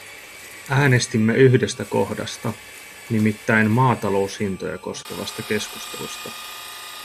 Äänestimme yhdestä kohdasta, nimittäin maataloushintoja koskevasta keskustelusta.